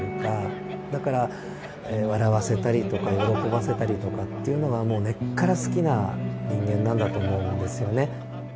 だから笑わせたりとか喜ばせたりとかっていうのが根っから好きな人間なんだと思うんですよね。